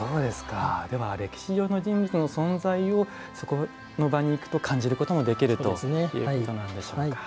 では歴史上の人物の存在をそこの場に行くと感じることができるということでしょうか。